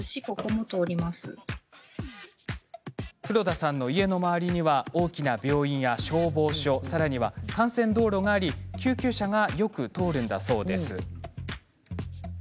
黒田さんの家の周りには大きな病院や消防署さらには幹線道路があり救急車がよく通るんだそうです。